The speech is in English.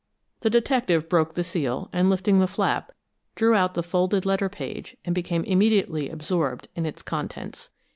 The detective broke the seal, and lifting the flap, drew out the folded letter page and became immediately absorbed in its contents.